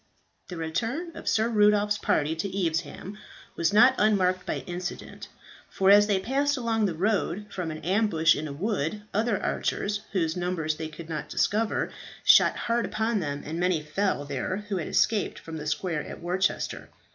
The return of Sir Rudolph's party to Evesham was not unmarked by incident, for as they passed along the road, from an ambush in a wood other archers, whose numbers they could not discover, shot hard upon them, and many fell there who had escaped from the square at Worcester.